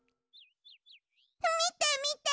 みてみて！